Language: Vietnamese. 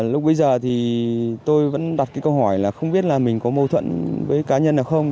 lúc bây giờ thì tôi vẫn đặt cái câu hỏi là không biết là mình có mâu thuẫn với cá nhân nào không